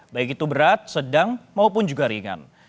baik itu berat sedang maupun juga ringan